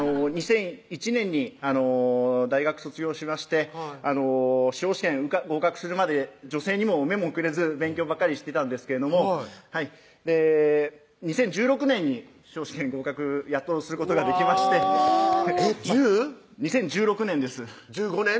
２００１年に大学卒業しまして司法試験合格するまで女性にも目もくれず勉強ばっかりしてたんですけれども２０１６年に司法試験合格やっとすることができまして１０２０１６年です１５年？